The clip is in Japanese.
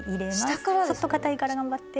ちょっとかたいから頑張って。